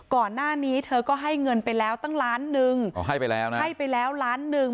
ก่อนหน้านี้เธอก็ให้เงินไปแล้วตั้งล้านหนึ่งอ๋อให้ไปแล้วนะให้ไปแล้วล้านหนึ่ง